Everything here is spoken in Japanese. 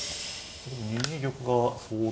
でも２二玉が相当。